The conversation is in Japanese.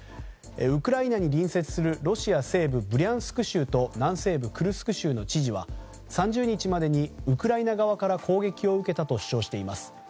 ウクライナに隣接するロシア西部ブリャンスク州と南西部クルスク州の知事は３０日までにウクライナ側から攻撃を受けたと主張しています。